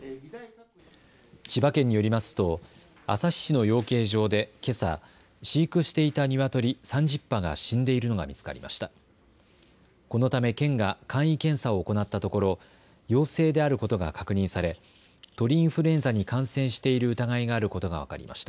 千葉県によりますと、旭市の養鶏場でけさ、飼育していたニワトリ３０羽が死んでいるのが見つかりました。